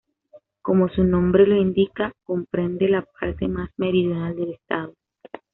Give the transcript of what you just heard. Como su nombre lo indica, comprende la parte más meridional del estado.